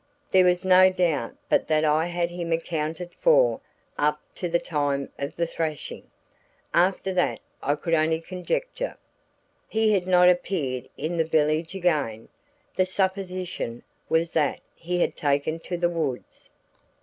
There was no doubt but that I had him accounted for up to the time of the thrashing; after that I could only conjecture. He had not appeared in the village again; the supposition was that he had taken to the woods.